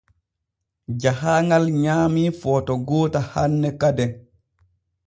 Jahaaŋal nyaamii footo goota hanne kaden.